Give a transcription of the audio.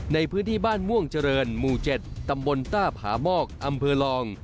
ในพื้นที่บ้านม่วงเจริญหมู่๗ตำบลต้าผามอกอำเภอลอง